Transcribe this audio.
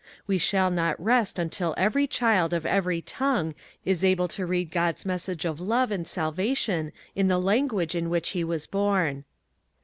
We shall not rest until every child of every tongue is able to read God's message of love and salvation in the language in which he was born.